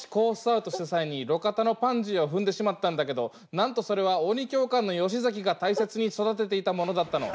アウトした際に路肩のパンジーを踏んでしまったんだけどなんとそれは鬼教官の吉崎が大切に育てていたものだったの。